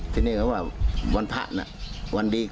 ต้องบอกอย่างนี้ว่า